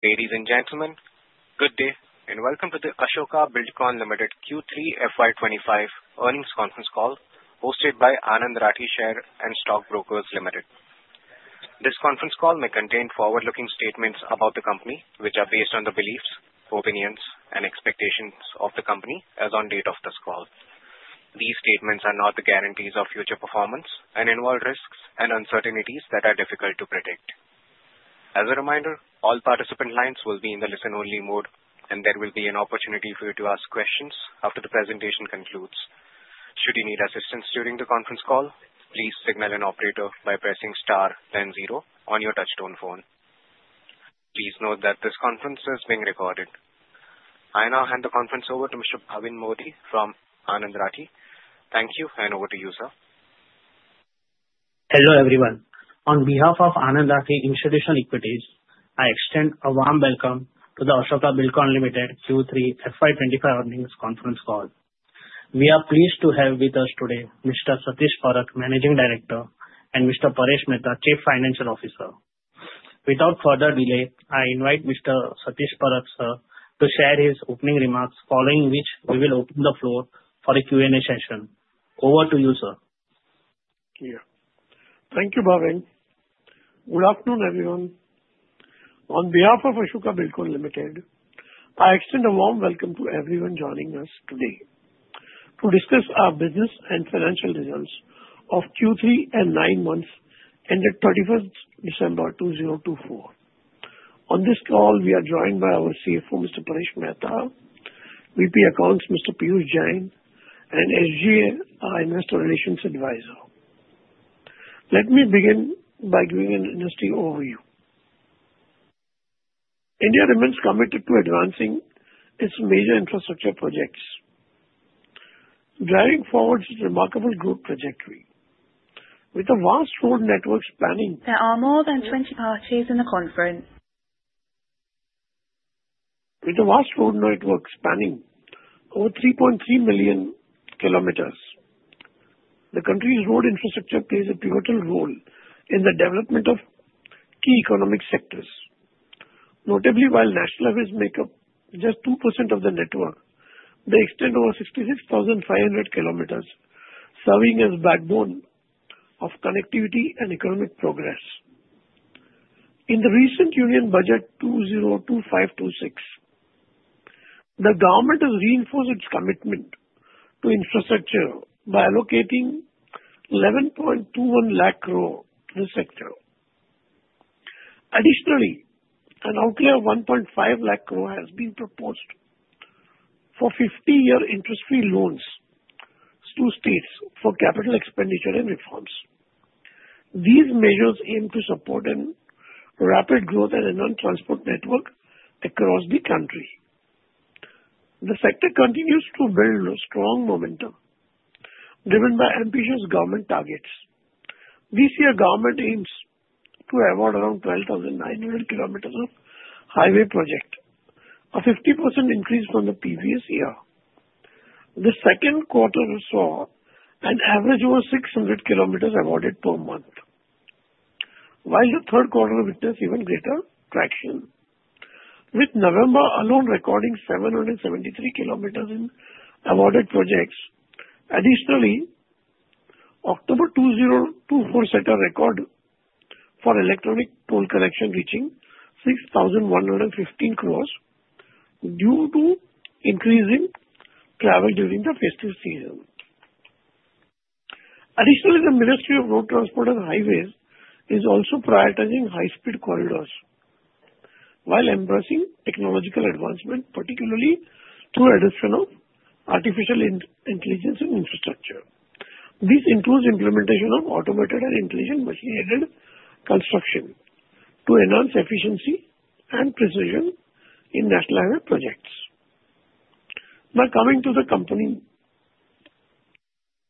Ladies and gentlemen, good day and welcome to the Ashoka Buildcon Limited Q3 FY25 earnings conference call hosted by Anand Rathi Share and Stock Brokers Limited. This conference call may contain forward-looking statements about the company, which are based on the beliefs, opinions, and expectations of the company as on date of this call. These statements are not the guarantees of future performance and involve risks and uncertainties that are difficult to predict. As a reminder, all participant lines will be in the listen-only mode, and there will be an opportunity for you to ask questions after the presentation concludes. Should you need assistance during the conference call, please signal an operator by pressing star then zero on your touchstone phone. Please note that this conference is being recorded. I now hand the conference over to Mr. Bhavin Modi from Anand Rathi. Thank you, and over to you, sir. Hello everyone. On behalf of Anand Rathi Institutional Equities, I extend a warm welcome to the Ashoka Buildcon Limited Q3 FY25 earnings conference call. We are pleased to have with us today Mr. Satish Parakh, Managing Director, and Mr. Paresh Mehta, Chief Financial Officer. Without further delay, I invite Mr. Satish Parakh, sir, to share his opening remarks, following which we will open the floor for a Q&A session. Over to you, sir. Thank you, Bhavin. Good afternoon, everyone. On behalf of Ashoka Buildcon Limited, I extend a warm welcome to everyone joining us today to discuss our business and financial results of Q3 and nine months ended 31st December 2024. On this call, we are joined by our CFO, Mr. Paresh Mehta, VP Accounts, Mr. Peeyush Jain, and SGA Investor Relations Advisor. Let me begin by giving an industry overview. India remains committed to advancing its major infrastructure projects, driving forward its remarkable growth trajectory. With the vast road networks spanning. There are more than 20 parties in the conference. With the vast road networks spanning over 3.3 million kilometers, the country's road infrastructure plays a pivotal role in the development of key economic sectors. Notably, while national levels make up just 2% of the network, they extend over 66,500 kilometers, serving as a backbone of connectivity and economic progress. In the recent Union Budget 2025-2026, the government has reinforced its commitment to infrastructure by allocating 11.21 lakh crore to the sector. Additionally, an outlay of 1.5 lakh crore has been proposed for 50-year interest-free loans to states for capital expenditure and reforms. These measures aim to support rapid growth and a non-transport network across the country. The sector continues to build strong momentum, driven by ambitious government targets. This year, government aims to award around 12,900 kilometers of highway projects, a 50% increase from the previous year. The Q2 saw an average over 600 kilometers awarded per month, while the Q3 witnessed even greater traction, with November alone recording 773 kilometers in awarded projects. Additionally, October 2024 set a record for electronic toll collection reaching 6,115 crores due to increasing travel during the festive season. Additionally, the Ministry of Road Transport and Highways is also prioritizing high-speed corridors while embracing technological advancement, particularly through the addition of artificial intelligence and infrastructure. This includes the implementation of automated and intelligent machine-headed construction to enhance efficiency and precision in national projects. Now coming to the company,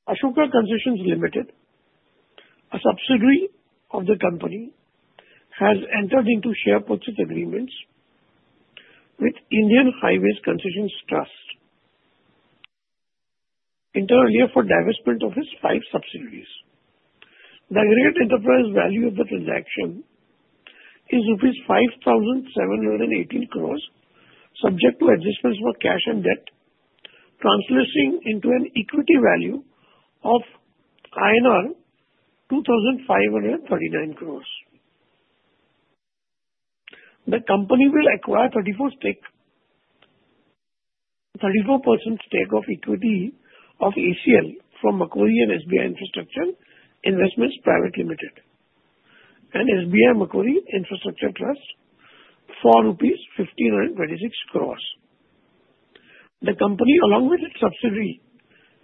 Ashoka Concessions Limited, a subsidiary of the company, has entered into share purchase agreements with Indian Highway Concessions Trust, entirely for divestment of its five subsidiaries. The aggregate enterprise value of the transaction is rupees 5,718 crores, subject to adjustments for cash and debt, translating into an equity value of INR 2,539 crores. The company will acquire a 34% stake of equity of ACL from Macquarie and SBI Infrastructure Investments Private Limited and SBI Macquarie Infrastructure Trust for rupees 1,526 crores. The company, along with its subsidiary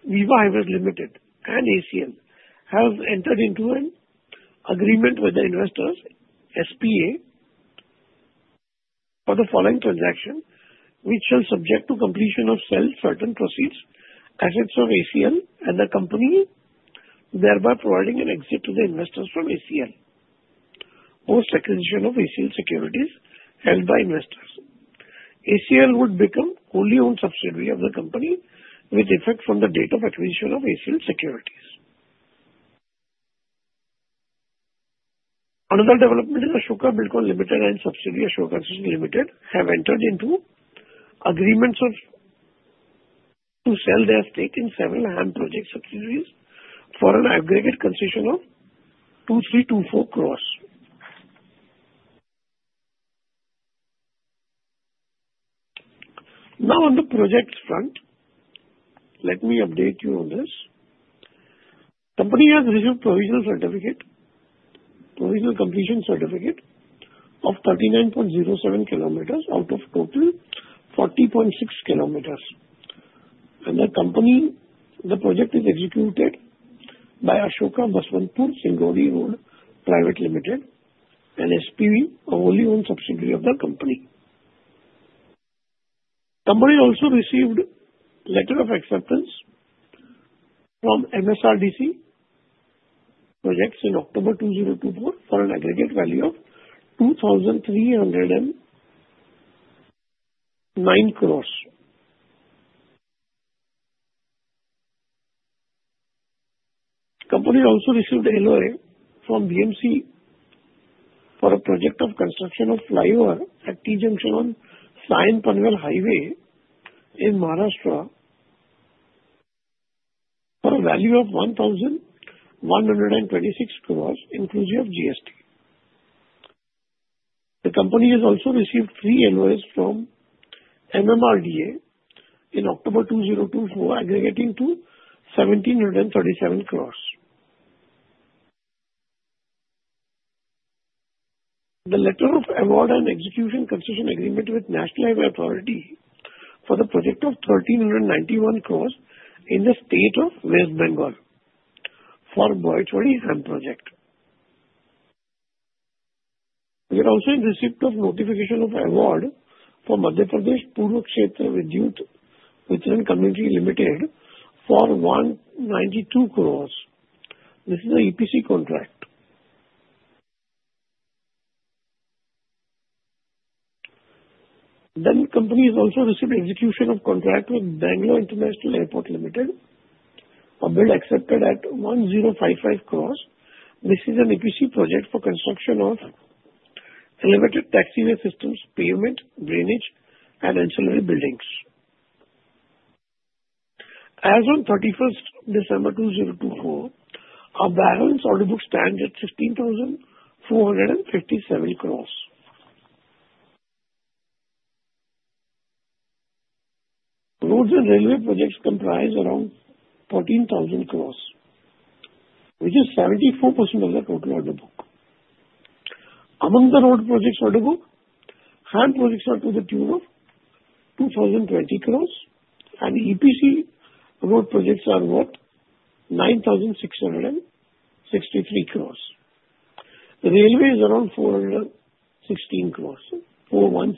Viva Highways Limited and ACL, has entered into an agreement with the investors, SPA, for the following transaction, which shall subject to completion of sale certain proceeds, assets of ACL and the company, thereby providing an exit to the investors from ACL post-acquisition of ACL securities held by investors. ACL would become fully owned subsidiary of the company with effect from the date of acquisition of ACL securities. Another development is Ashoka Buildcon Limited and subsidiary Ashoka Consortium Limited have entered into agreements to sell their stake in several HAM project subsidiaries for an aggregate concession of 2,324 crores. Now, on the project front, let me update you on this. The company has received a provisional completion certificate of 39.07 km out of a total of 40.6 km. The project is executed by Ashoka Baswantpur Singnodi Road Private Limited and SPV, a fully owned subsidiary of the company. The company also received a letter of acceptance from MSRDC in October 2024 for an aggregate value of 2,309 crores. The company also received an LOA from BMC for a project of construction of flyover at T-junction on Sion-Panvel Highway in Maharashtra for a value of 1,126 crores, inclusive of GST. The company has also received three LOAs from MMRDA in October 2024, aggregating to 1,737 crores. The letter of award and execution concession agreement with the National Highways Authority of India for the project of 1,391 crores in the state of West Bengal for a BOT-to-BOT HAM project. We have also received a notification of award for Madhya Pradesh Poorv Kshetra Vidyut Vitaran Company Limited for 192 crores. This is an EPC contract. Then, the company has also received execution of contract with Bangalore International Airport Limited. A bid accepted at 1,055 crores. This is an EPC project for construction of elevated taxiway systems, pavement, drainage, and ancillary buildings. As of 31st December 2024, our balance order book stands at 15,457 crores. Roads and railway projects comprise around 14,000 crores, which is 74% of the total order book. Among the road projects order book, HAM projects are to the tune of 2,020 crores, and EPC road projects are worth 9,663 crores. Railway is around 416 crores. Power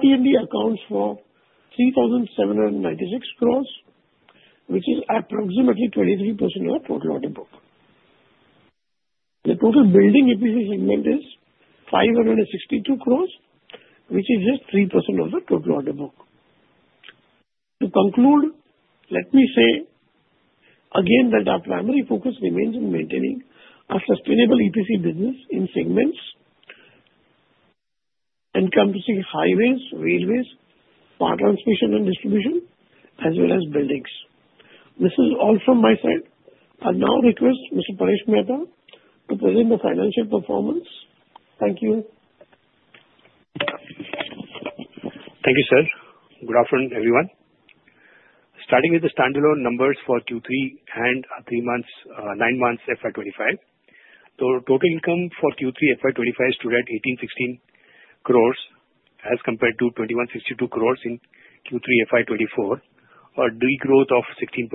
T&D accounts for 3,796 crores, which is approximately 23% of the total order book. The total building EPC segment is 562 crores, which is just 3% of the total order book. To conclude, let me say again that our primary focus remains on maintaining a sustainable EPC business in segments encompassing highways, railways, power transmission and distribution, as well as buildings. This is all from my side. I now request Mr. Paresh Mehta to present the financial performance. Thank you. Thank you, sir. Good afternoon, everyone. Starting with the standalone numbers for Q3 and nine months FY2025, the total income for Q3 FY2025 stood at 1,816 crores as compared to 2,162 crores in Q3 FY2024, a degrowth of 16%.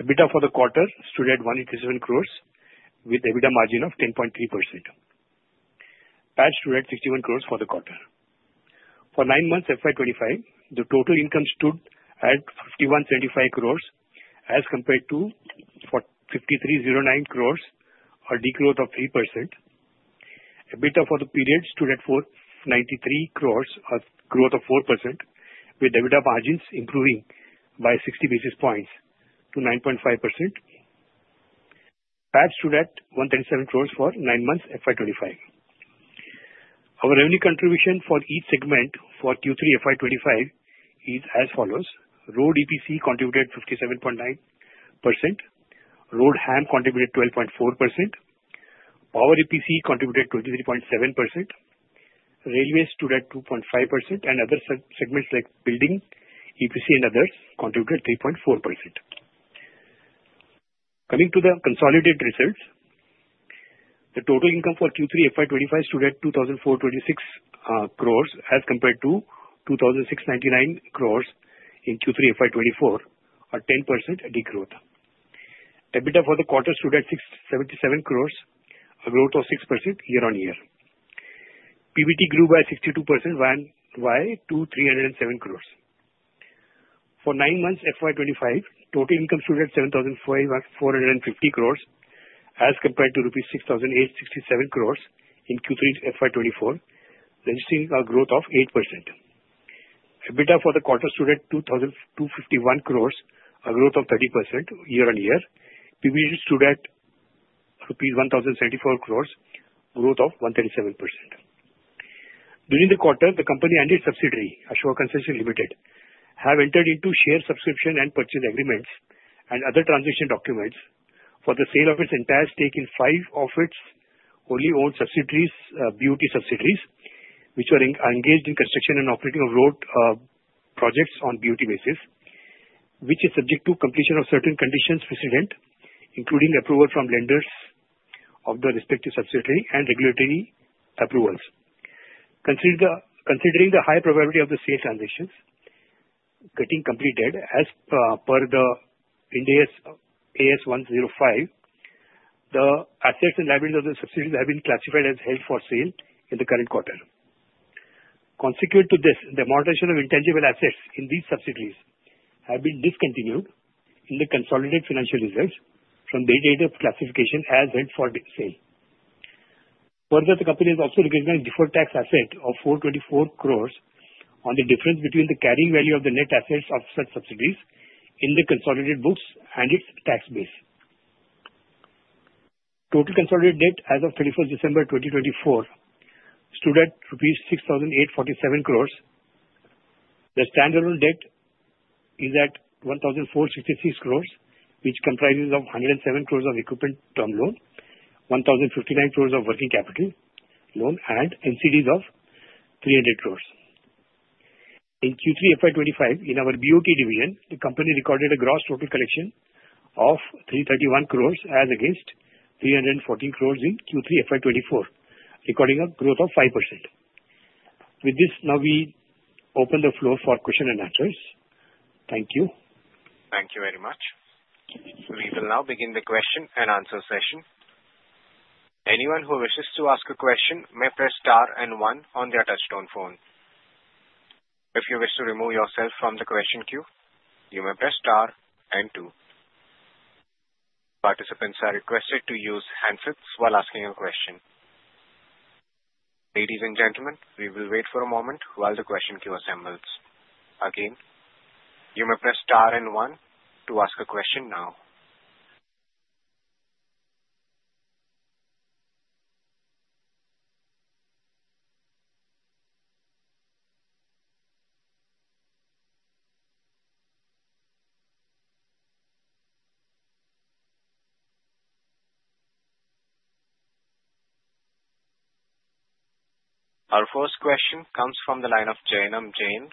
EBITDA for the quarter stood at 187 crores, with EBITDA margin of 10.3%. PAT stood at 61 crores for the quarter. For nine months FY2025, the total income stood at 5,175 crores as compared to 5,309 crores, a degrowth of 3%. EBITDA for the period stood at 93 crores, a growth of 4%, with EBITDA margins improving by 60 basis points to 9.5%. PAT stood at 137 crores for nine months FY2025. Our revenue contribution for each segment for Q3 FY2025 is as follows: Road EPC contributed 57.9%, Road HAM contributed 12.4%, Power EPC contributed 23.7%, Railways stood at 2.5%, and other segments like Building EPC and others contributed 3.4%. Coming to the consolidated results, the total income for Q3 FY2025 stood at 2,426 crores as compared to 2,699 crores in Q3 FY2024, a 10% degrowth. EBITDA for the quarter stood at 77 crores, a growth of 6% year-on-year. PBT grew by 62%, by 2,307 crores. For nine months FY2025, total income stood at 7,450 crores as compared to rupees 6,867 crores in Q3 FY24, registering a growth of 8%. EBITDA for the quarter stood at 2,251 crores, a growth of 30% year-on-year. PBT stood at rupees 1,074 crores, a growth of 137%. During the quarter, the company and its subsidiary, Ashoka Consortium Limited, have entered into share subscription and purchase agreements and other transaction documents for the sale of its entire stake in five of its fully owned subsidiaries, BOT subsidiaries, which are engaged in construction and operating of road projects on a BOT basis, which is subject to completion of certain conditions precedent, including approval from lenders of the respective subsidiary and regulatory approvals. Considering the high probability of the sale transactions getting completed as per the Ind AS 105, the assets and liabilities of the subsidiaries have been classified as held for sale in the current quarter. Consequent to this, the amortization of intangible assets in these subsidiaries has been discontinued in the consolidated financial results from the date of classification as held for sale. Further, the company has also recognized a deferred tax asset of 424 crores on the difference between the carrying value of the net assets of such subsidiaries in the consolidated books and its tax base. Total consolidated debt as of 31st December 2024 stood at rupees 6,847 crores. The standalone debt is at 1,466 crores, which comprises 107 crores of equipment term loan, 1,059 crores of working capital loan, and NCDs of 300 crores. In Q3 FY2025, in our BOT division, the company recorded a gross total collection of 331 crores as against 314 crores in Q3 FY2024, recording a growth of 5%. With this, now we open the floor for questions and answers. Thank you. Thank you very much. We will now begin the question and answer session. Anyone who wishes to ask a question may press star and one on their touch-tone phone. If you wish to remove yourself from the question queue, you may press star and two. Participants are requested to use handsets while asking a question. Ladies and gentlemen, we will wait for a moment while the question queue assembles. Again, you may press star and one to ask a question now. Our first question comes from the line of Jain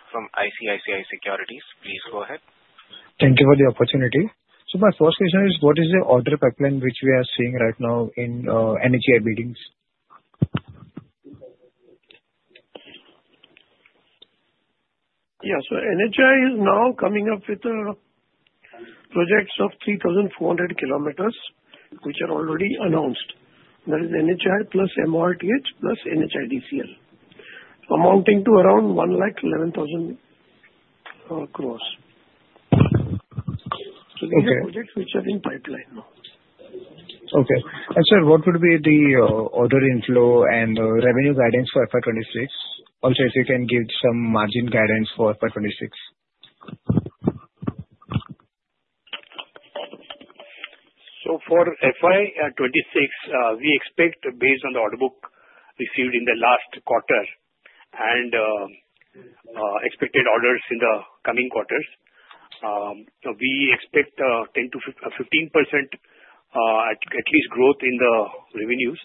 from ICICI Securities. Please go ahead. Thank you for the opportunity. So my first question is, what is the order pipeline which we are seeing right now in NHAI bidding? Yeah, so NHAI is now coming up with projects of 3,400 kilometers, which are already announced. That is NHAI plus MoRTH plus NHIDCL, amounting to around 111,000 crores. So these are projects which are in pipeline now. Okay. And sir, what would be the order inflow and revenue guidance for FY2026? Also, if you can give some margin guidance for FY2026. For FY2026, we expect, based on the order book received in the last quarter and expected orders in the coming quarters, we expect 10%-15% at least growth in the revenues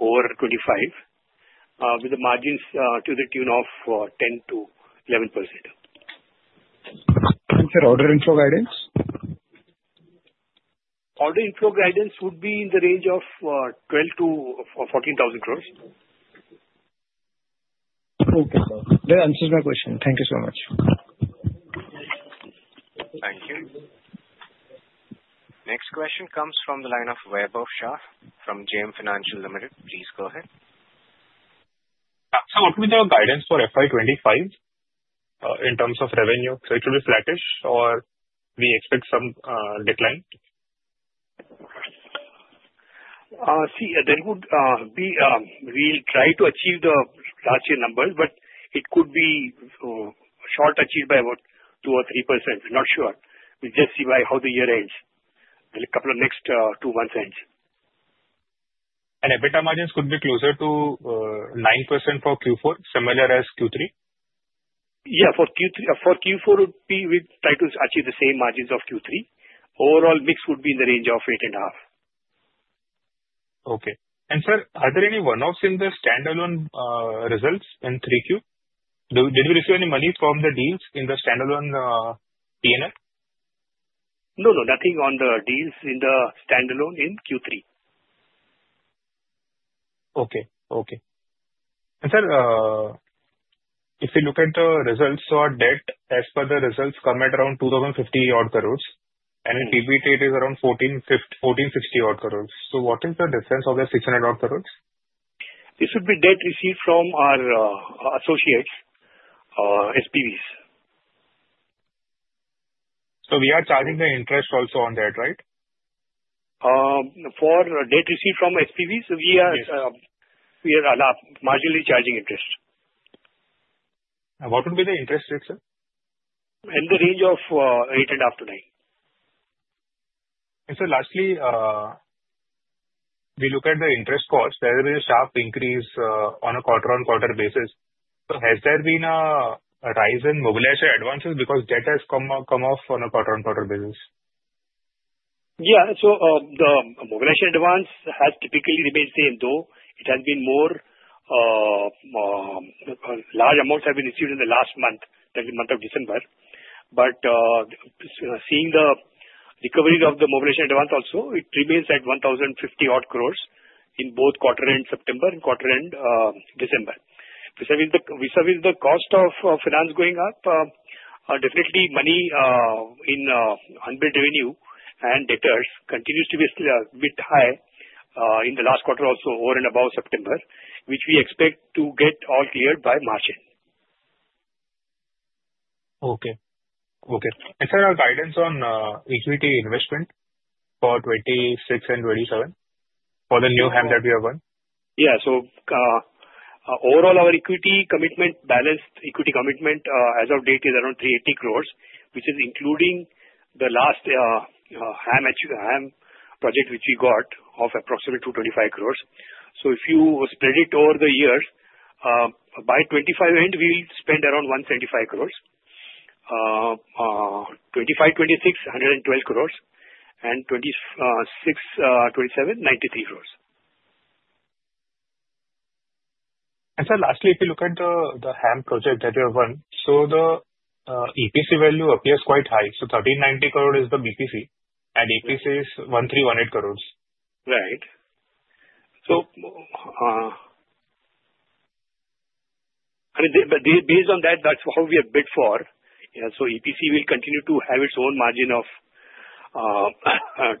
over 25, with the margins to the tune of 10%-11%. And sir, order inflow guidance? Order inflow guidance would be in the range of INR12,000-INR14,000 crores. Okay. That answers my question. Thank you so much. Thank you. Next question comes from the line of Vaibhav Shah from JM Financial Limited. Please go ahead. Sir, what would be the guidance for FY2025 in terms of revenue, so it will be flattish, or we expect some decline? See, there would be. We'll try to achieve the last year numbers, but it could be short achieved by about 2% or 3%. I'm not sure. We'll just see by how the year ends, the next two months ends. EBITDA margins could be closer to 9% for Q4, similar as Q3? Yeah, for Q4, we'll try to achieve the same margins of Q3. Overall, mix would be in the range of 8.5%. Okay. And sir, are there any one-offs in the standalone results in Q3? Did we receive any money from the deals in the standalone P&L? No, no, nothing on the deals in the standalone in Q3. Okay. Okay. And sir, if you look at the results or debt, as per the results, come at around 2,050 odd crores, and PBT rate is around 1,460 odd crores. So what is the difference of the 600 odd crores? This would be debt received from our associates, SPVs. So we are charging the interest also on that, right? For debt received from SPVs, we are marginally charging interest. What would be the interest rate, sir? In the range of eight and a half to nine. Sir, lastly, we look at the interest costs. There has been a sharp increase on a quarter-on-quarter basis. Has there been a rise in Mobilization Advances because debt has come off on a quarter-on-quarter basis? Yeah, so the Mobilization Advance has typically remained the same, though it has been more large amounts have been received in the last month, the month of December. But seeing the recovery of the Mobilization Advance also, it remains at 1,050 odd crores in both quarter-end September and quarter-end December. Besides the cost of finance going up, definitely money in unpaid revenue and debtors continues to be a bit high in the last quarter also, or and above September, which we expect to get all cleared by margin. Okay. Sir, our guidance on equity investment for 26 and 27 for the new HAM that we have won? Yeah, so overall, our equity commitment, balanced equity commitment as of date is around 380 crores, which is including the last HAM project which we got of approximately 225 crores. So if you spread it over the years, by 2025 end, we'll spend around 175 crores. 2025, 2026, 112 crores, and 2026, 2027, INR93 crores. Sir, lastly, if you look at the HAM project that you have won, so the EPC value appears quite high. 1,390 crores is the BPC, and EPC is 1,318 crores. Right. So based on that, that's how we have bid for. So EPC will continue to have its own margin of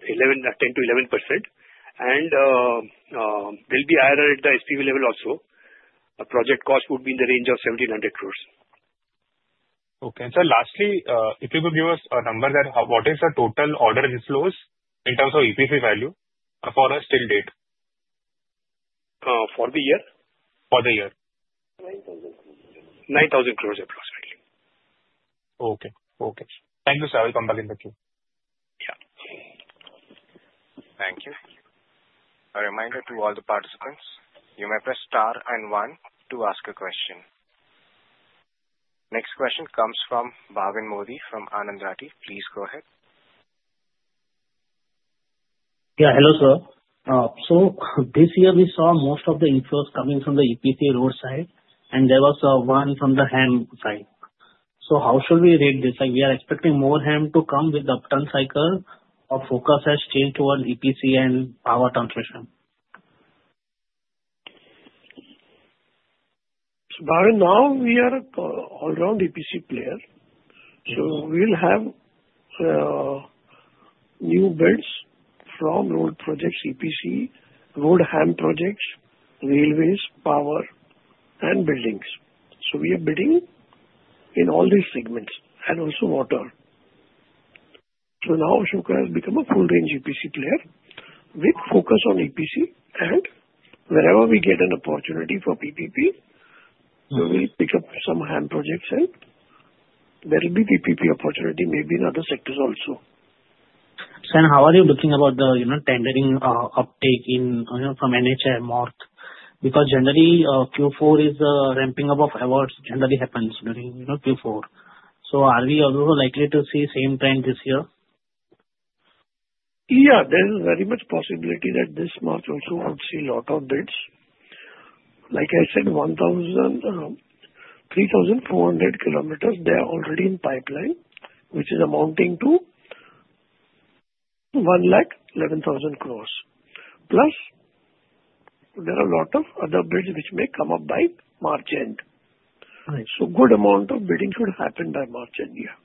10%-11%, and they'll be higher at the SPV level also. Project cost would be in the range of 1,700 crores. Okay. And sir, lastly, if you could give us a number that what is the total order inflows in terms of EPC value as till date? For the year? For the year. 9,000 crores approximately. Okay. Thank you, sir. I will come back in the queue. Yeah. Thank you. A reminder to all the participants, you may press star and one to ask a question. Next question comes from Bhavin Modi from Anand Rathi. Please go ahead. Yeah, hello, sir. So this year, we saw most of the inflows coming from the EPC road side, and there was one from the HAM side. So how should we rate this? We are expecting more HAM to come with the turn cycle or focus has changed towards EPC and power transmission? So, Bhavin, now we are an all-round EPC player. So we'll have new builds from road projects, EPC, road HAM projects, railways, power, and buildings. So we are bidding in all these segments and also water. So now Ashoka has become a full-range EPC player with focus on EPC, and wherever we get an opportunity for PPP, we'll pick up some HAM projects, and there will be PPP opportunity, maybe in other sectors also. Sir, how are you looking about the tendering uptake from NHAI and MORTH? Because generally, Q4 is a ramping up of awards. So are we also likely to see the same trend this year? Yeah, there is very much possibility that this March also we'll see a lot of bids. Like I said, 3,400 km, they are already in pipeline, which is amounting to 111,000 crores. Plus, there are a lot of other bids which may come up by March end. So a good amount of bidding should happen by March end, yeah.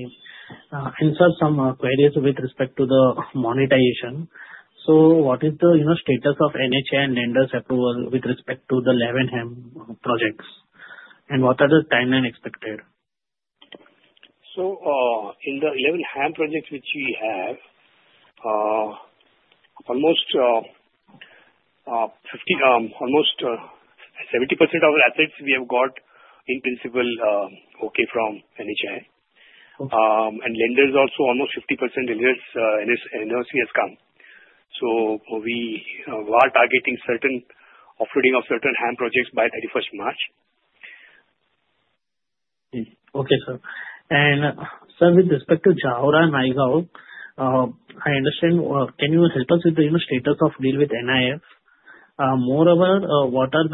And, sir, some queries with respect to the monetization. So, what is the status of NHAI and lenders' approval with respect to the 11 HAM projects? And, what are the timeline expected? In the 11 HAM projects which we have, almost 70% of assets we have got in principle okay from NHAI. Lenders also, almost 50% lenders, NOC has come. We are targeting offloading of certain HAM projects by 31st March. Okay, sir. And sir, with respect to Jaora and Nayagaon, I understand. Can you help us with the status of deal with NIIF? Moreover, what are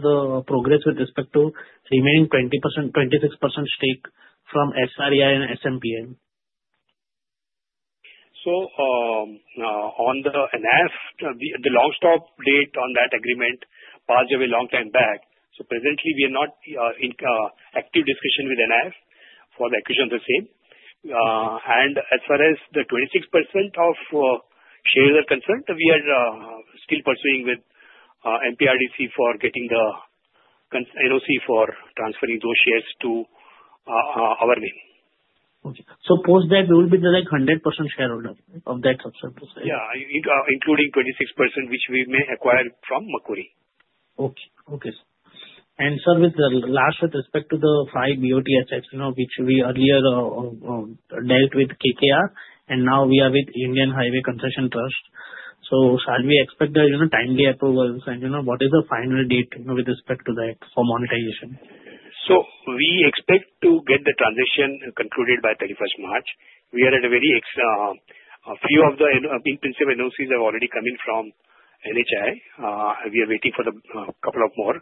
the progress with respect to remaining 26% stake from SREI and SMPL? So on the NIIF, the long stop date on that agreement passed away a long time back. So presently, we are not in active discussion with NIIF for the acquisition of the same. And as far as the 26% of shares are concerned, we are still pursuing with MPRDC for getting the NOC for transferring those shares to our name. Okay, so post that, we will be the 100% shareholder of that subsidiary? Yeah, including 26% which we may acquire from Macquarie. Okay. Okay. And sir, last with respect to the five BOTs, which we earlier dealt with KKR, and now we are with Indian Highway Concessions Trust. So shall we expect the timely approvals? And what is the final date with respect to that for monetization? So we expect to get the transition concluded by 31st March. A very few of the in-principle NOCs have already come in from NHAI. We are waiting for a couple of more.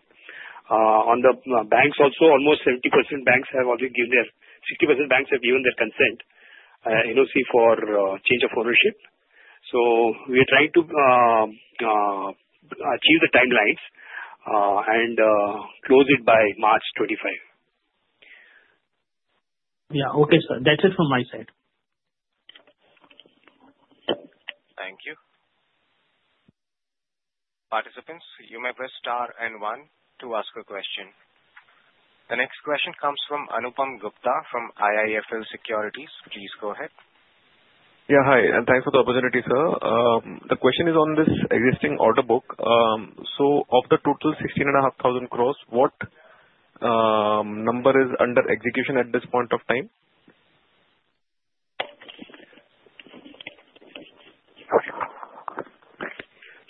On the banks also, almost 70% banks have already given their consent, NOC for change of ownership. So we are trying to achieve the timelines and close it by March 25. Yeah. Okay, sir. That's it from my side. Thank you. Participants, you may press star and one to ask a question. The next question comes from Anupam Gupta from IIFL Securities. Please go ahead. Yeah, hi, and thanks for the opportunity, sir. The question is on this existing order book, so of the total 16,500 crores, what number is under execution at this point of time?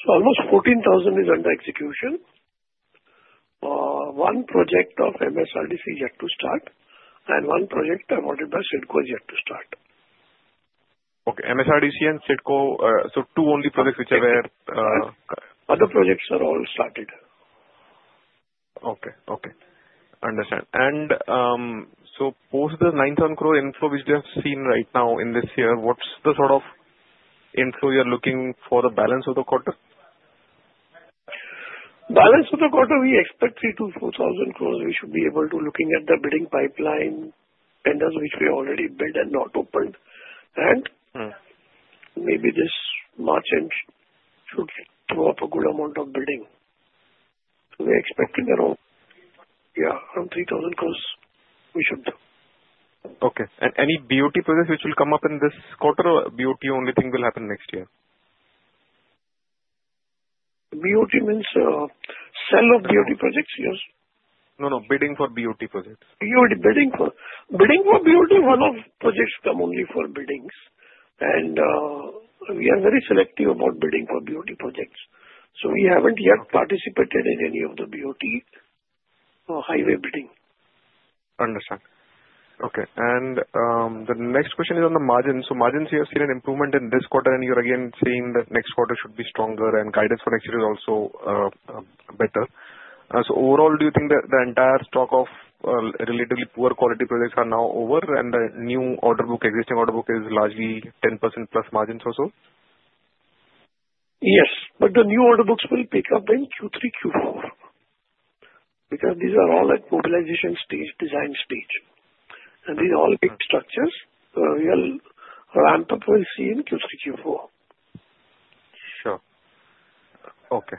Almost 14,000 is under execution. One project of MSRDC yet to start, and one project awarded by CIDCO is yet to start. Okay. MSRDC and CIDCO, so two only projects which are there. Other projects are all started. Okay. Understand. And so post the 9,000 crore inflow which we have seen right now in this year, what's the sort of inflow you're looking for the balance of the quarter? Balance of the quarter, we expect 3,000 to 4,000 crores. We should be able to looking at the bidding pipeline tenders which we already bid and not opened. And maybe this March end should throw up a good amount of bidding. So we're expecting around, yeah, around 3,000 crores we should do. Okay. And any BOT projects which will come up in this quarter or BOT only thing will happen next year? BOT means sale of BOT projects, yes? No, no. Bidding for BOT projects. Bidding for BOT, one of projects come only for bidding. And we are very selective about bidding for BOT projects. So we haven't yet participated in any of the BOT highway bidding. Understood. Okay. And the next question is on the margins. So margins here have seen an improvement in this quarter, and you're again saying that next quarter should be stronger, and guidance for next year is also better. So overall, do you think that the entire stock of relatively poor quality projects are now over, and the new order book, existing order book is largely 10% plus margins also? Yes. But the new order books will pick up in Q3, Q4 because these are all at mobilization stage, design stage. And these are all big structures. The real ramp-up will see in Q3, Q4. Sure. Okay.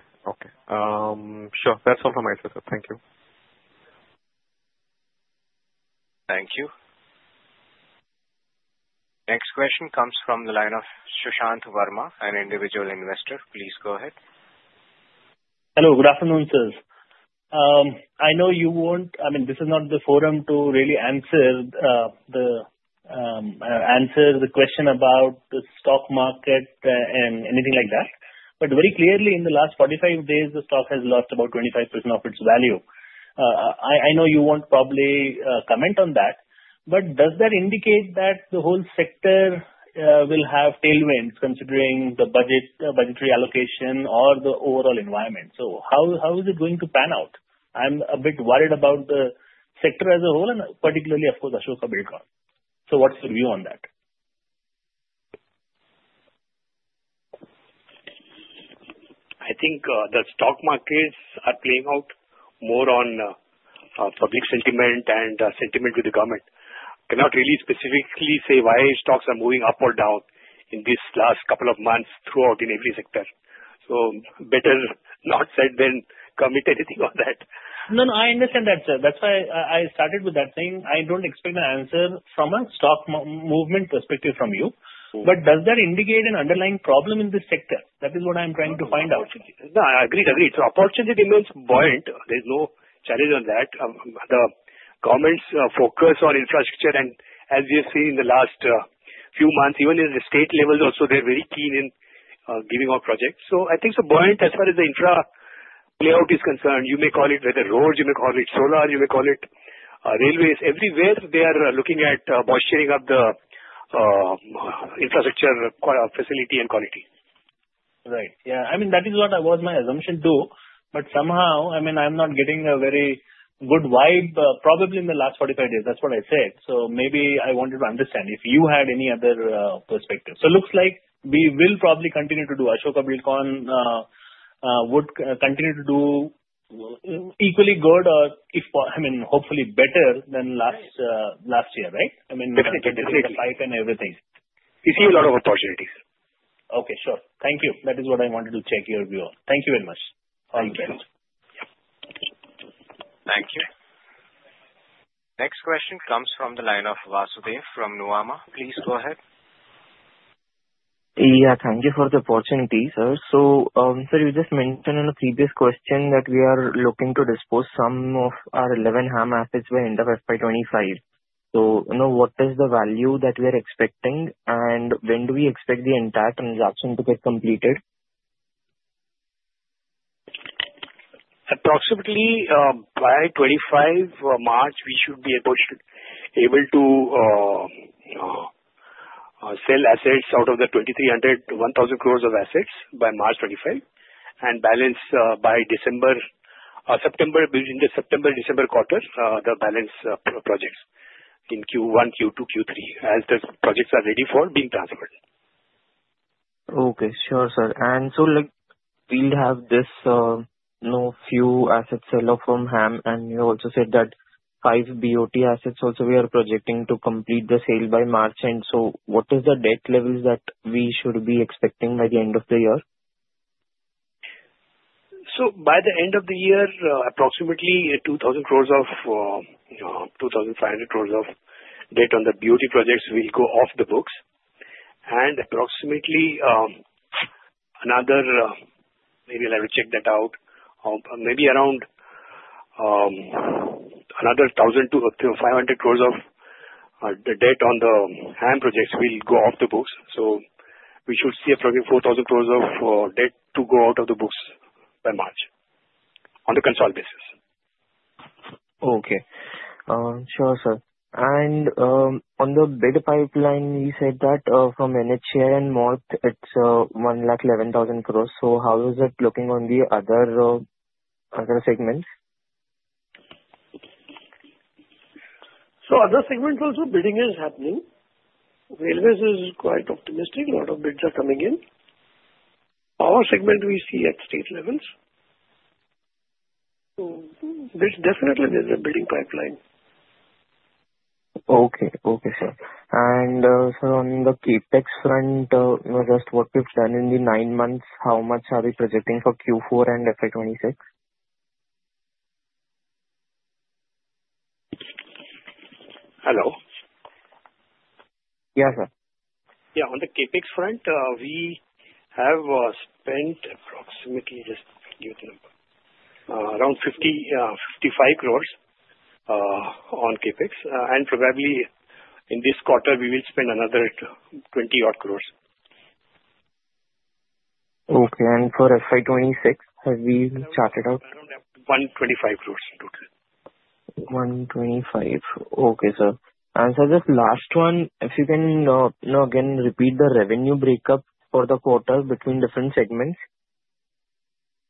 That's all from my side, sir. Thank you. Thank you. Next question comes from the line of Sushant Verma, an individual investor. Please go ahead. Hello. Good afternoon, sir. I know you won't. I mean, this is not the forum to really answer the question about the stock market and anything like that. But very clearly, in the last 45 days, the stock has lost about 25% of its value. I know you won't probably comment on that, but does that indicate that the whole sector will have tailwinds considering the budgetary allocation or the overall environment? So how is it going to pan out? I'm a bit worried about the sector as a whole, and particularly, of course, Ashoka Buildcon. So what's your view on that? I think the stock markets are playing out more on public sentiment and sentiment with the government. I cannot really specifically say why stocks are moving up or down in these last couple of months throughout in every sector, so better not said than commit anything on that. No, no. I understand that, sir. That's why I started with that thing. I don't expect an answer from a stock movement perspective from you. But does that indicate an underlying problem in this sector? That is what I'm trying to find out. No, I agree. I agree. So opportunity remains buoyant. There's no challenge on that. The government's focus on infrastructure, and as we have seen in the last few months, even in the state levels also, they're very keen in giving out projects. So I think it's a buoyant as far as the infra layout is concerned. You may call it whether roads, you may call it solar, you may call it railways. Everywhere, they are looking at bolstering up the infrastructure facility and quality. Right. Yeah. I mean, that is what my assumption was too. But somehow, I mean, I'm not getting a very good vibe probably in the last 45 days. That's what I said. So maybe I wanted to understand if you had any other perspective. So it looks like we will probably continue to do. Ashoka Buildcon would continue to do equally good or, I mean, hopefully better than last year, right? I mean, with the pipe and everything. You see a lot of opportunities. Okay. Sure. Thank you. That is what I wanted to check your view. Thank you very much. All the best. Thank you. Thank you. Next question comes from the line of Vasudev from Nuvama. Please go ahead. Yeah. Thank you for the opportunity, sir. So sir, you just mentioned in a previous question that we are looking to dispose some of our 11 HAM assets by end of FY2025. So what is the value that we are expecting, and when do we expect the entire transaction to get completed? Approximately by 25 March, we should be able to sell assets out of the 2,300 to 1,000 crores of assets by March 25 and the balance by September, between the September to December quarter, the balance projects in Q1, Q2, Q3 as the projects are ready for being transferred. Okay. Sure, sir. And so we'll have this few asset selloff from HAM, and you also said that five BOT assets also we are projecting to complete the sale by March end. So what is the debt levels that we should be expecting by the end of the year? So by the end of the year, approximately 2,000 crores of 2,500 crores of debt on the BOT projects will go off the books. And approximately another maybe I will check that out. Maybe around another 1,000 to 500 crores of debt on the HAM projects will go off the books. So we should see approximately 4,000 crores of debt to go out of the books by March on the consolidated basis. Okay. Sure, sir. And on the bid pipeline, you said that from NHAI and MORTH, it's 111,000 crores. So how is it looking on the other segments? So other segments also, bidding is happening. Railways is quite optimistic. A lot of bids are coming in. Power segment, we see at state levels. So definitely, there's a bidding pipeline. Okay, sir. And sir, on the CapEx front, just what we've done in the nine months, how much are we projecting for Q4 and FY2026? Hello? Yeah, sir. Yeah. On the CapEx front, we have spent approximately around 55 crores on CapEx, and probably in this quarter, we will spend another INR20-odd crores. Okay, and for FY2026, have we charted out? Around 125 crores in total. Okay, sir. And sir, this last one, if you can again repeat the revenue breakup for the quarter between different segments?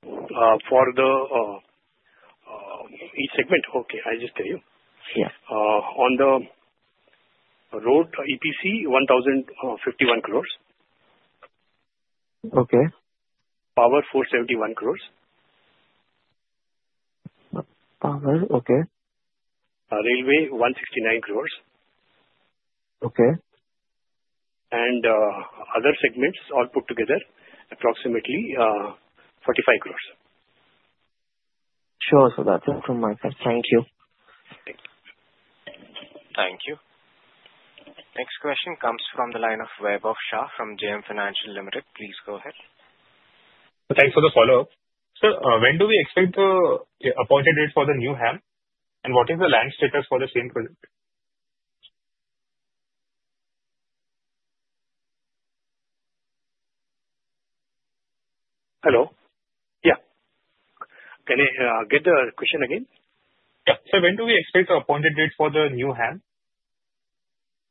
For each segment? Okay. I just tell you. On the road, EPC, 1,051 crores. Okay. Power, 471 crores. Power. Okay. Railway, 169 crores. Okay. Other segments all put together, approximately 45 crores. Sure, sir. That's it from my side. Thank you. Thank you. Thank you. Next question comes from the line of Vaibhav Shah from JM Financial Limited. Please go ahead. Thanks for the follow-up. Sir, when do we expect the appointed date for the new HAM? And what is the land status for the same project? Hello? Yeah. Can I get the question again? Yeah. Sir, when do we expect the appointed date for the new HAM?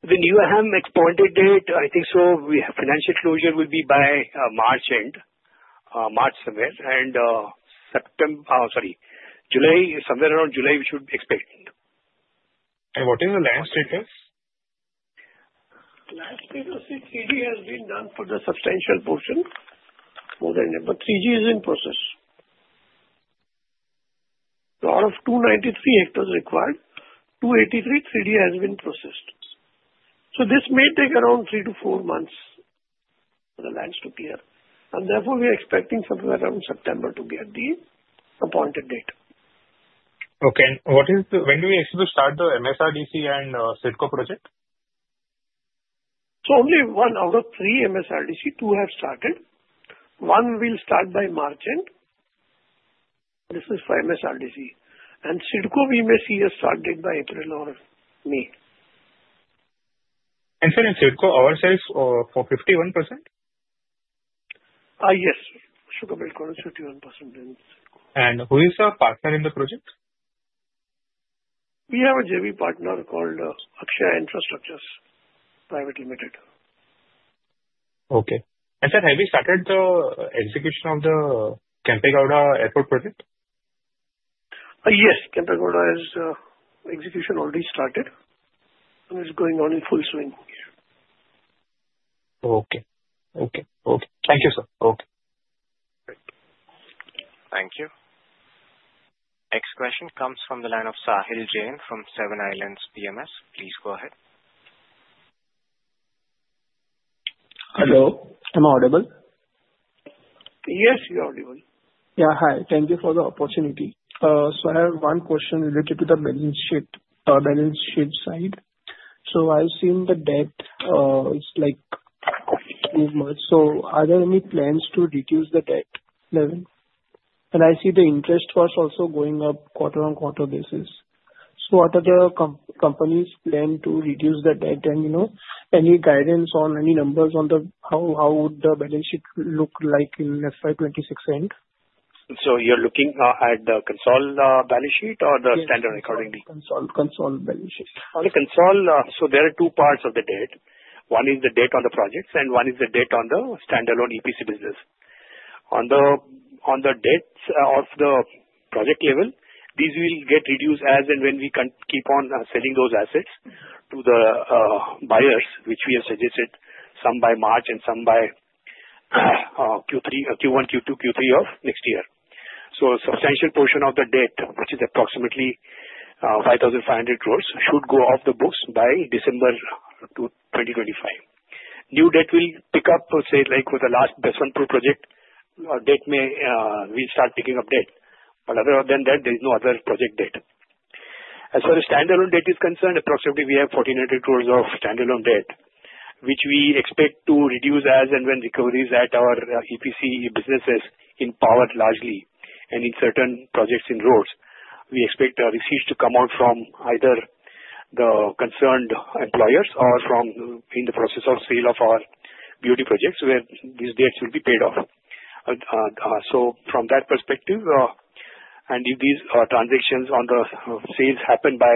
The new HAM appointed date, I think so, financial closure will be by March end, March somewhere, and July, somewhere around July, we should expect. What is the land status? Land status is, 3G has been done for the substantial portion, but 3G is in process. Out of 293 hectares required, 283 3D has been processed, so this may take around three to four months for the lands to clear. And therefore, we are expecting something around September to be at the appointed date. Okay. And when do we expect to start the MSRDC and CIDCO project? So only one out of three MSRDC, two have started. One will start by March end. This is for MSRDC. And CIDCO, we may see a start date by April or May. Sir, in CIDCO, ourselves for 51%? Yes. Ashoka Buildcon is 51% in CIDCO. Who is the partner in the project? We have a JV partner called Akshaya Infraprojects Private. Okay, and sir, have you started the execution of the Kempegowda Airport project? Yes. Kempegowda's execution already started, and it's going on in full swing here. Okay. Thank you, sir. Okay. Thank you. Next question comes from the line of Sahil Jain from Seven Islands PMS. Please go ahead. Hello. Am I audible? Yes, you're audible. Yeah. Hi. Thank you for the opportunity. So I have one question related to the balance sheet side. So I've seen the debt is like 2 months. So are there any plans to reduce the debt level? And I see the interest was also going up quarter-on-quarter basis. So what are the company's plan to reduce the debt? And any guidance on any numbers on how would the balance sheet look like in FY2026 end? So you're looking at the consolidated balance sheet or the standalone accordingly? Consolidated balance sheet. Only consolidated. So there are two parts of the debt. One is the debt on the projects, and one is the debt on the standalone EPC business. On the debts of the project level, these will get reduced as and when we keep on selling those assets to the buyers, which we have suggested some by March and some by Q1, Q2, Q3 of next year. So a substantial portion of the debt, which is approximately 5,500 crores, should go off the books by December 2025. New debt will pick up, say, like with the last Baswantpur project, debt may start picking up debt. But other than that, there is no other project debt. As far as standalone debt is concerned, approximately we have 1,400 crores of standalone debt, which we expect to reduce as and when recoveries at our EPC businesses in power largely and in certain projects in roads. We expect receipts to come out from either the concerned employers or from the process of sale of our BOT projects where these debts will be paid off. So from that perspective, and if these transactions on the sales happen by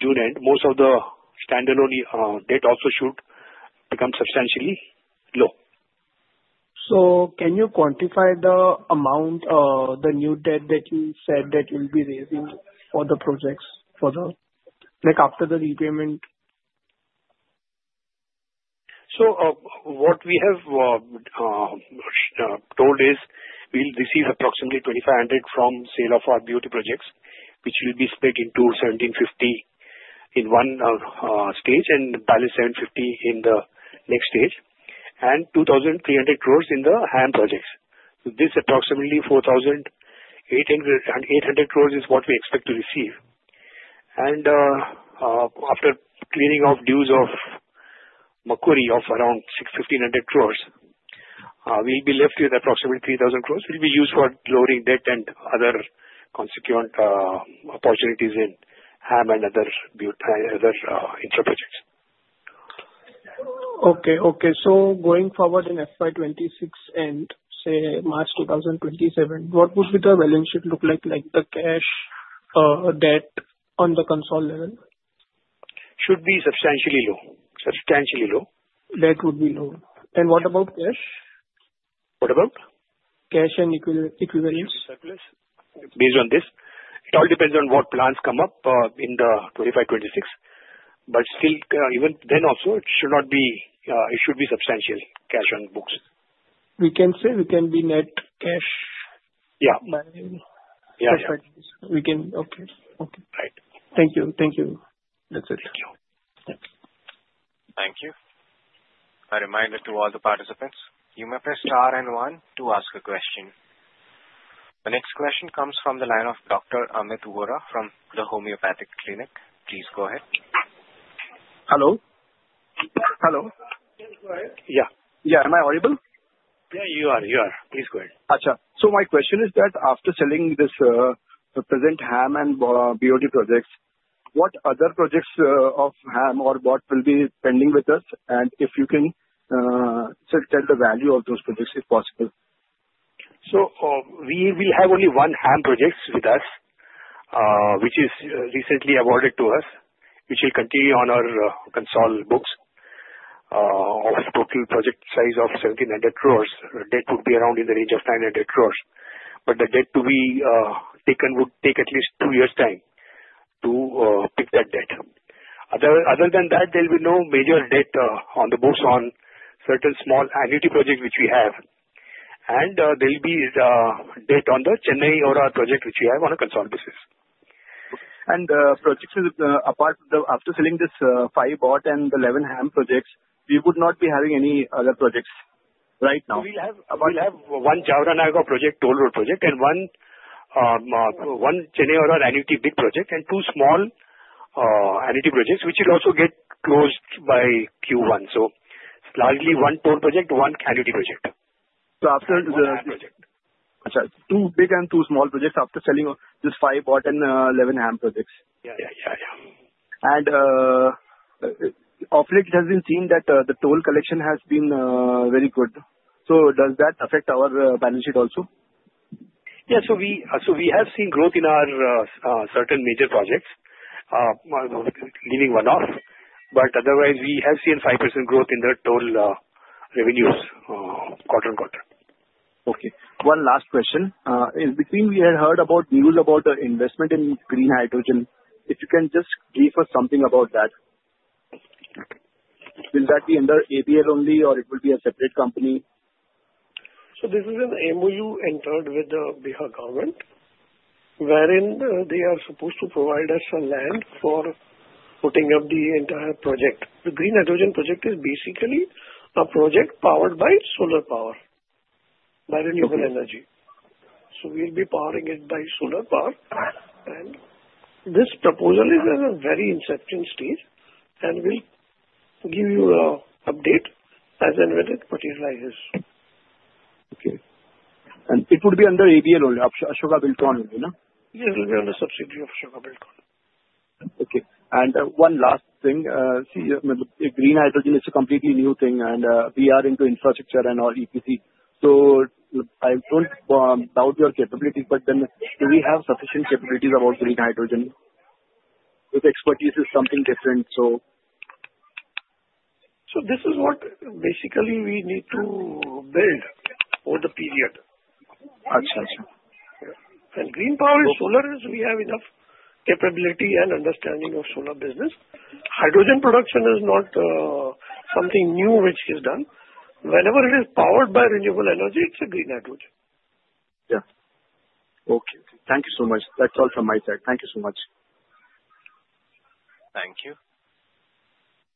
June end, most of the standalone debt also should become substantially low. Can you quantify the amount, the new debt that you said that you'll be raising for the projects after the repayment? What we have told is we'll receive approximately 2,500 from sale of our BOT projects, which will be split into 1,750 in one stage and balance 750 in the next stage, and 2,300 crores in the HAM projects. This approximately 4,800 crores is what we expect to receive. After clearing off dues of Macquarie of around 1,500 crores, we'll be left with approximately 3,000 crores which will be used for lowering debt and other investment opportunities in HAM and other infra projects. Okay. So going forward in FY2026 end, say March 2027, what would the balance sheet look like, like the cash debt on the consolidated level? Should be substantially low. Substantially low. Debt would be low, and what about cash? What about? Cash and equivalents? Based on this. It all depends on what plans come up in 2025, 2026. But still, even then also, it should be substantial cash on books. We can say we can be net cash? Yeah. By FY2026? We can? Okay. Right. Thank you. That's it. Thank you. Thank you. A reminder to all the participants, you may press star and one to ask a question. The next question comes from the line of Dr. Amit Vora from the Homeopathic Clinic. Please go ahead. Hello? Hello? Yeah. Yeah. Am I audible? Yeah, you are. You are. Please go ahead. Ashoka, so my question is that after selling this present HAM and BOT projects, what other projects of HAM or what will be pending with us? And if you can tell the value of those projects if possible. We will have only one HAM project with us, which is recently awarded to us, which will continue on our consolidated books of total project size of 1,700 crores. Debt would be around in the range of 900 crores. But the debt to be taken would take at least two years' time to pick that debt. Other than that, there will be no major debt on the books on certain small annuity projects which we have. And there will be debt on the Chennai Outer Ring Road project which we have on a consolidated basis. Apart from after selling this five BOT and the 11 HAM projects, we would not be having any other projects right now? We'll have one Jaora project, toll road project, and one Chennai ORR annuity big project, and two small annuity projects which will also get closed by Q1. So largely one toll project, one annuity project. So after the. Ashoka, two big and two small projects after selling this five BOT and 11 HAM projects. Yeah. Of late, it has been seen that the toll collection has been very good. Does that affect our balance sheet also? Yeah. We have seen growth in our certain major projects, leaving one off. Otherwise, we have seen 5% growth in the toll revenues quarter on quarter. Okay. One last question. In between, we had heard about news about the investment in green hydrogen. If you can just give us something about that. Will that be under ABL only, or it will be a separate company? This is an MOU entered with the Bihar government, wherein they are supposed to provide us some land for putting up the entire project. The green hydrogen project is basically a project powered by solar power by renewable energy. We'll be powering it by solar power. This proposal is in a very inception stage. We'll give you an update as and when it materializes. Okay. And it would be under ABL only, Ashoka Buildcon only, no? Yeah. It will be under subsidiary of Ashoka Buildcon. Okay. And one last thing. See, green hydrogen is a completely new thing. And we are into infrastructure and all EPC. So I don't doubt your capabilities. But then do we have sufficient capabilities about green hydrogen? Because expertise is something different, so. This is what basically we need to build for the period. Green power is solar. We have enough capability and understanding of solar business. Hydrogen production is not something new which is done. Whenever it is powered by renewable energy, it's a green hydrogen. Yeah. Okay. Thank you so much. That's all from my side. Thank you so much. Thank you.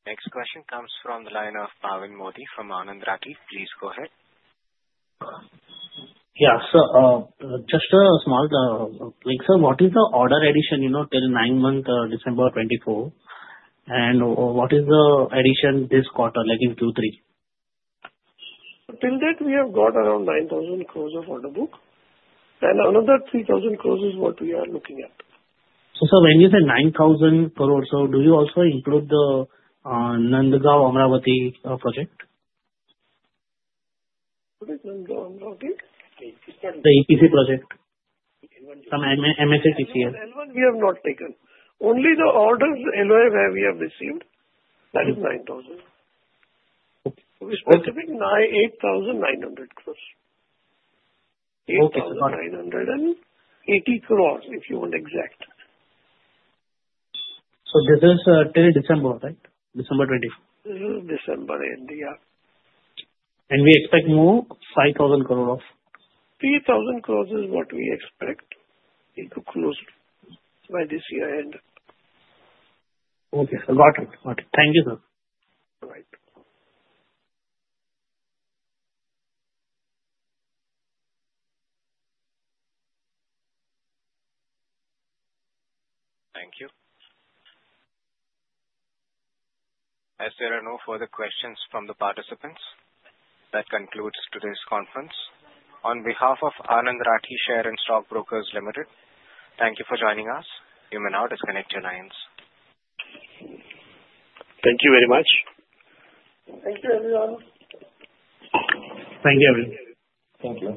Next question comes from the line of Bhavin Modi from Anand Rathi. Please go ahead. Yeah. So just a small thing. Sir, what is the order addition till nine month, December 2024? And what is the addition this quarter, like in Q3? So till date, we have got around 9,000 crores of order book and another 3,000 crores is what we are looking at. So sir, when you say 9,000 crores, so do you also include the Nandgaon-Amravati project? What is Nandgaon Amravati? The EPC project. From MSRDC. L1, we have not taken. Only the orders, LOA we have received, that is 9,000. Okay. We specifically 8,900 crores. 8,980 crores, if you want exact. So this is till December, right? December 24? This is December end, yeah. We expect more? 5,000 crore of? 3,000 crores is what we expect to close by this year end. Okay. Got it. Got it. Thank you, sir. All right. Thank you. If there are no further questions from the participants, that concludes today's conference. On behalf of Anand Rathi, Share and Stock Brokers Limited, thank you for joining us. You may now disconnect your lines. Thank you very much. Thank you, everyone. Thank you, everyone. Thank you.